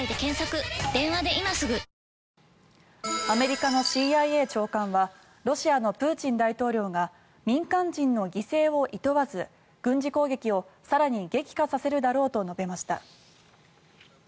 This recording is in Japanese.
アメリカのＣＩＡ長官はロシアのプーチン大統領が民間人の犠牲をいとわず軍事攻撃を更に激化させるだろうと述べました。